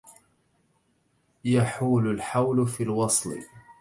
يحول الحول في الوصل